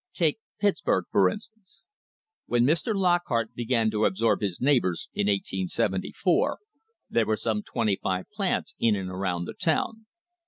Take Pittsburg, for instance. When Mr. Lockhart began to absorb his neighbours, in 1874, there were some twenty five plants in and around the town.